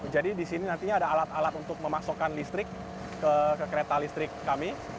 jadi di sini nantinya ada alat alat untuk memasukkan listrik ke kereta listrik kami